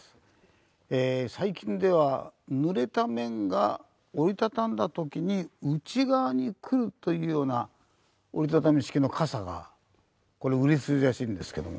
えー最近ではぬれた面が折りたたんだ時に内側にくるというような折りたたみ式の傘がこれ売れ筋らしいんですけども。